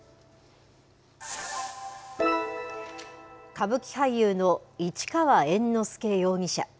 歌舞伎俳優の市川猿之助容疑者。